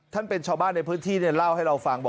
ท่านเป็นชาวบ้านในพื้นที่เนี่ยเล่าให้เราฟัง